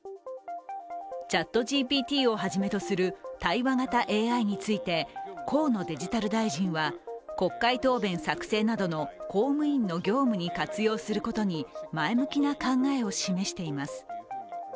ＣｈａｔＧＰＴをはじめとする対話型ＡＩについて河野デジタル大臣は、国会答弁作成などの公務員の業務に活用することに前向きな考えを示しています。